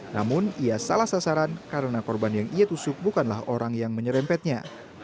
namun ia salah sasaran karena korban yang ia tusuk bukanlah orang yang menyerempetnya